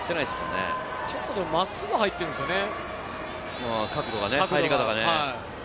角度、真っすぐ入ってるんですよね。